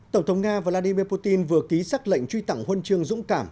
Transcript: tổng thống nga vladimir putin vừa ký sắc lệnh truy tẳng huân chương dũng cảm